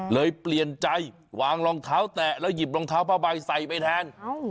เปลี่ยนใจวางรองเท้าแตะแล้วหยิบรองเท้าผ้าใบใส่ไปแทน